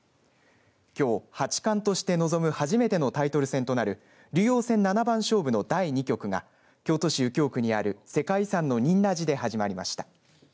きょう、八冠として臨む初めてのタイトル戦となる竜王戦七番勝負の第２局が京都市右京区にある世界遺産の仁和寺で始まりました。